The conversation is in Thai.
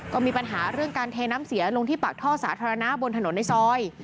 ก็มีปัญหาเรื่องการเทน้ำเสียลงที่ปากท่อสาธารณะบนถนนในซอย